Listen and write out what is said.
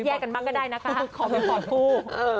แยกกันบ้างก็ได้นะคะขอไปปอดคู่